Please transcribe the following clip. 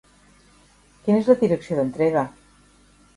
Quina és la direcció d'entrega?